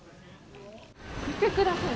見てください。